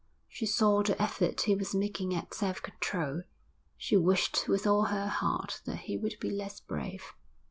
She saw the effort he was making at self control. She wished with all her heart that he would be less brave.